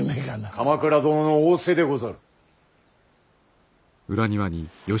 鎌倉殿の仰せでござる。